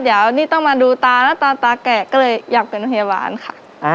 เดี๋ยวนี่ต้องมาดูตานะตาตาแกะก็เลยอยากเป็นพยาบาลค่ะ